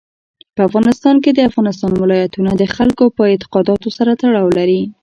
په افغانستان کې د افغانستان ولايتونه د خلکو د اعتقاداتو سره تړاو لري.